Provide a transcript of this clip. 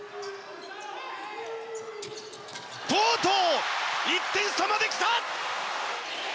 とうとう、１点差まできた！